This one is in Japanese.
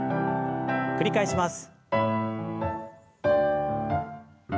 繰り返します。